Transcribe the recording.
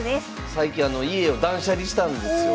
最近家を断捨離したんですよ。